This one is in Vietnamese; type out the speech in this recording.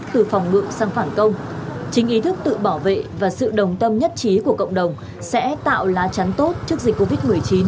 từ phòng ngự sang phản công chính ý thức tự bảo vệ và sự đồng tâm nhất trí của cộng đồng sẽ tạo lá chắn tốt trước dịch covid một mươi chín